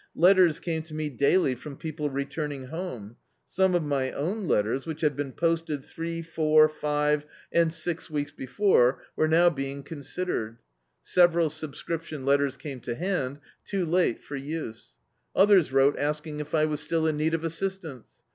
Letters came to me daily from people retuming htnne. Some of my own letters, which had been posted three, four, five and [«5] D,i.,.db, Google The Autobiography of a Sup«r Tramp six weeks before, were now being considered. Sev eral subscription letters came to hand — too late for use. Others wrote asking if I was still in need of assistance.